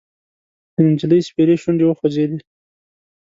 د نجلۍ سپېرې شونډې وخوځېدې: